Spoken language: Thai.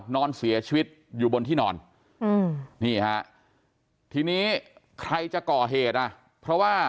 นอนเสียชีวิตอยู่บนที่นอนนี่ฮะทีนี้ใครจะก่อเหตุอ่ะเพราะว่า